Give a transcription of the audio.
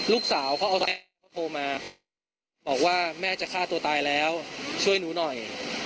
ลูกสาวเขาโทรมาบอกว่าแม่จะฆ่าตัวตายแล้วช่วยหนูหน่อย